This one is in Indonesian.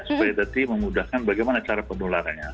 supaya tadi memudahkan bagaimana cara penularannya